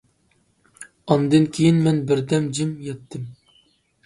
ئاندىن كېيىن، مەن بىر دەم جىم ياتتىم.